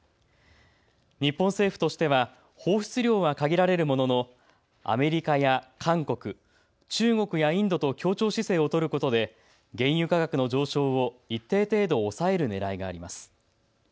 日本政府としては放出量は限られるもののアメリカや韓国、中国やインドと協調姿勢を取ることで原油価格の上昇を一定程度抑えるねらいがあります。